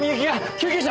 救急車